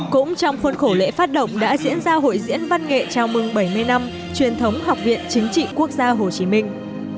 cũng trong khuôn khổ lễ phát động đã diễn ra hội diễn văn nghệ chào mừng bảy mươi năm truyền thống học viện chính trị quốc gia hồ chí minh